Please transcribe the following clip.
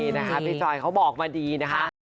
นี่นะคะพี่จอยเขาบอกมาดีนะคะ